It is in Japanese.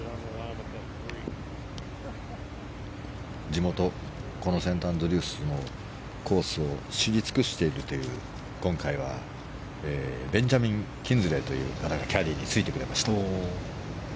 地元、このセントアンドリュースのコースを知り尽くしているという今回はベンジャミン・キンスリーという方がキャディーについてくれました。